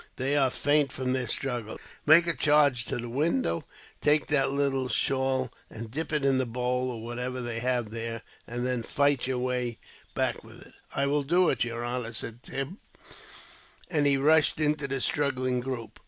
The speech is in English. They are faint from the struggles. Make a charge to the window. Take that little shawl and dip it into the bowl, or whatever they have there, and then fight your way back with it." "I will do it, yer honor," said Tim, and he rushed into the struggling group.